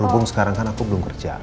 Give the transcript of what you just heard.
hubung sekarang kan aku belum kerja